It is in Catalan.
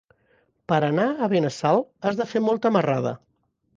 Per anar a Benassal has de fer molta marrada.